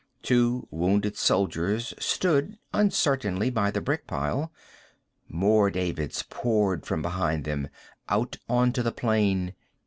Two Wounded Soldiers stood uncertainly by the brick pile. More Davids poured from behind them, out onto the plain.